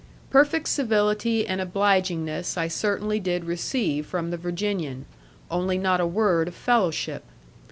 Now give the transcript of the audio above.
Perfect civility and obligingness I certainly did receive from the Virginian, only not a word of fellowship.